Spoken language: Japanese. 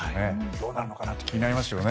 どうなるのかなと気になります。